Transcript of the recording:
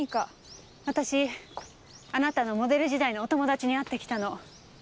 私あなたのモデル時代のお友達に会ってきたの。